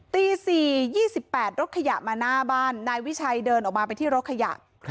ตี๔๒๘รถขยะมาหน้าบ้านนายวิชัยเดินออกมาไปที่รถขยะ